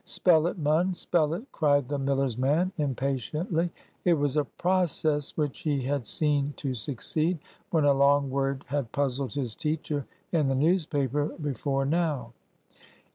"Spell it, mun, spell it!" cried the miller's man, impatiently. It was a process which he had seen to succeed, when a long word had puzzled his teacher in the newspaper, before now.